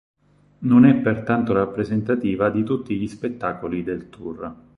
Non è pertanto rappresentativa di tutti gli spettacoli del tour.